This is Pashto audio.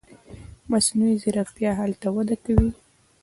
مصنوعي ځیرکتیا هلته وده کوي.